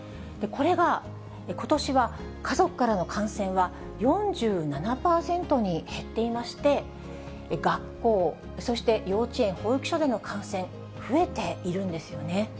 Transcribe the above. これがことしは家族からの感染は４７％に減っていまして、学校、そして幼稚園・保育所での感染、増えているんですよね。